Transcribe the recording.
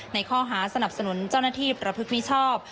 ในข้อหาสนับสนุนเจ้าหน้าที่ประพฤติมิชอบ